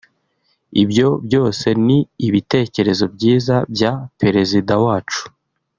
ibyo byose ni ibitekerezo byiza bya Perezida wacu